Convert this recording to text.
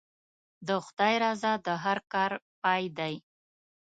د خدای رضا د هر کار پای دی.